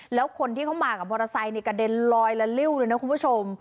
แล้วคนที่เขามากับมอเตอร์ไซค์กระเด็นลอยละลิ้วเลยนะคุณผู้ชม